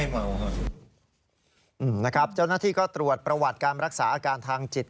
เจ้าหน้าที่ก็ตรวจประวัติการรักษาอาการทางจิต